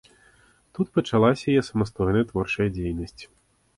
Тут пачалася яе самастойная творчая дзейнасць.